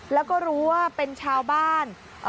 แล้วก็รู้ว่าเป็นชาวบ้าน